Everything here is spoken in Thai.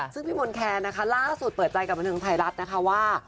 ซึ่งพี่มนต์แคนนะคะล่าสุดเปิดใจกับบันเทิงไทยรัฐนะคะว่า